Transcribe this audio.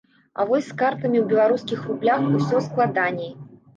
А вось з картамі ў беларускіх рублях усё складаней.